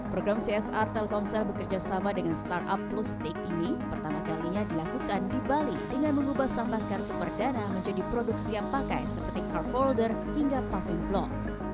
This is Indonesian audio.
program csr telkomsel bekerja sama dengan startup plustik ini pertama kalinya dilakukan di bali dengan mengubah sampah kartu perdana menjadi produksi yang pakai seperti card folder hingga paving block